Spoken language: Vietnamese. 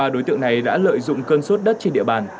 ba đối tượng này đã lợi dụng cơn sốt đất trên địa bàn